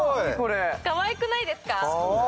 かわいくないですか？